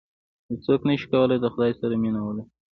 یو څوک نه شي کولای د خدای سره مینه ولري.